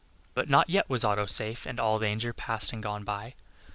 But not yet was Otto safe, and all danger past and gone by.